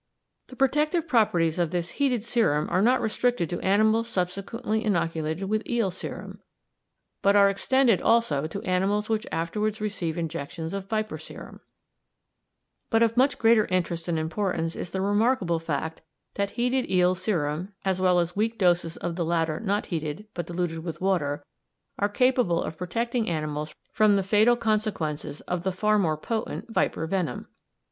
The protective properties of this heated serum are not restricted to animals subsequently inoculated with eel serum, but are extended also to animals which afterwards receive injections of viper serum; but of much greater interest and importance is the remarkable fact that heated eel serum, as well as weak doses of the latter not heated but diluted with water, are capable of protecting animals from the fatal consequences of the far more potent viper venom.